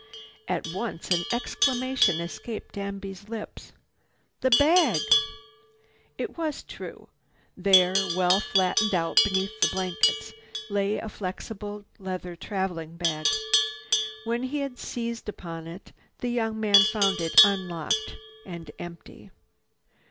At once an exclamation escaped Danby's lips: "The bag!" It was true. There, well flattened out beneath the blankets, lay a flexible leather traveling bag. When he had seized upon it, the young man found it unlocked and empty.